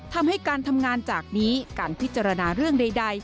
ทำให้การทำงานจากนี้การพิจารณาเรื่องใด